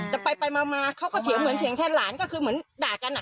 แต่ไปมาเขาก็เถียงเหมือนเสียงแทนหลานก็คือเหมือนด่ากันอ่ะ